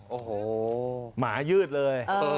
โอ้โหหมายืดเลย